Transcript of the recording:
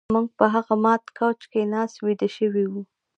موږ په هغه مات کوچ کې ناست ویده شوي وو